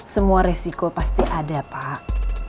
semua resiko pasti ada pak